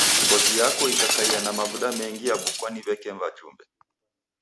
Ngozi yako ikakaia na mavuda mengi yabukwa ni w'eke wajumbe.